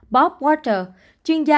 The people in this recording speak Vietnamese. bob walter chuyên gia